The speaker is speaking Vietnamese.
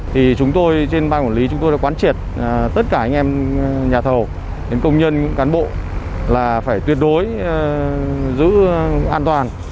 thì chúng tôi trên bang quản lý chúng tôi đã quán triệt tất cả anh em nhà thầu đến công nhân cán bộ là phải tuyệt đối giữ an toàn